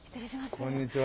こんにちは。